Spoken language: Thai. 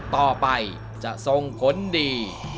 ต่อไปจะทรงขนดี